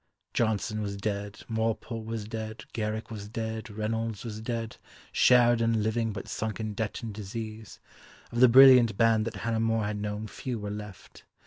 Johnson was dead, Walpole was dead, Garrick was dead, Reynolds was dead, Sheridan living but sunk in debt and disease; of the brilliant band that Hannah More had known few were left.